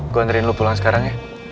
gue anterin lo pulang sekarang ya